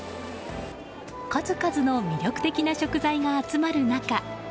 数々の魅力的な食材が集まる中